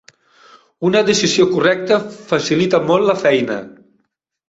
Una decisió correcta facilita molt la feina